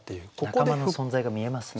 仲間の存在が見えますね。